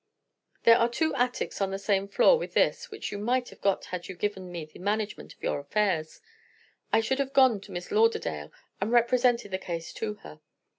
There are two attics on the same floor with this, which you might have got had you given me the management of your affairs. I should have gone to Miss Lauderdale and represented the case to her.